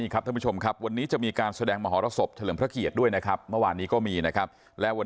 เขาก็รักมาตั้งแต่อดุปราณจนมาได้ด้วยก็จะพูดกล้าเซิงอยู่แล้วค่ะ